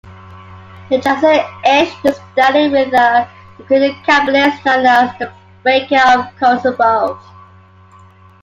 The Chazon Ish studied with a secret kabbalist known as The Baker of Kosovo.